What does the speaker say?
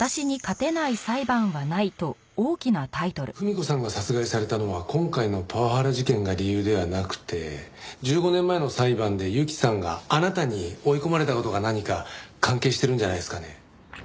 文子さんが殺害されたのは今回のパワハラ事件が理由ではなくて１５年前の裁判で雪さんがあなたに追い込まれた事が何か関係してるんじゃないですかね。